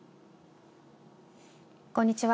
こんにちは。